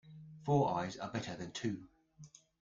Four eyes are better than two.